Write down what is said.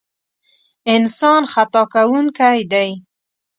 انسان خطا کوونکی دی.